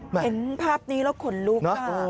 เห็นภาพนี้แล้วขนลุกค่ะ